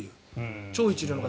超一流の方。